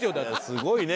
すごいね。